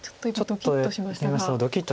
ドキッとしました。